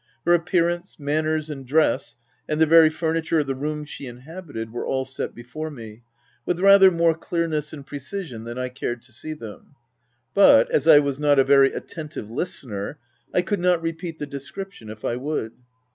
Her ap pearance, manners, and dress, and the very furniture of the room she inhabited, were all set before me, with rather more clearness and precision than I cared to see them ; but, as I was not a very attentive listener, I could not repeat the description if I would.